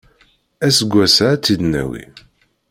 Aseggas-a ad tt-id-nawi.